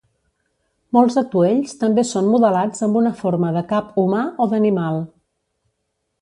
Molts atuells també són modelats amb una forma de cap humà o d'animal.